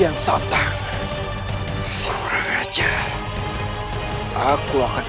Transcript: yang sotang kurang aja aku akan habisi dia